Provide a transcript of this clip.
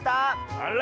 あら！